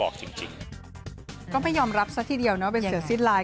ก็ไม่ยอมรับซะทีเดียวนะว่าเป็นเสือสิ้นลาย